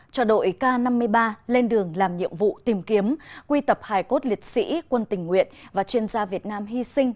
cho đội k năm mươi ba lên đường làm nhiệm vụ tìm kiếm quy tập hải cốt liệt sĩ quân tình nguyện và chuyên gia việt nam hy sinh